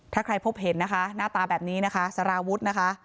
ถ้าใครพบเห็นนะคะหน้าตาแบบนี้นะคะสารวุฒินะคะ